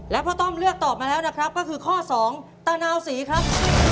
แล้วพ่อต้อมเลือกตอบมาแล้วนะครับก็คือข้อสองตานาวศรีครับ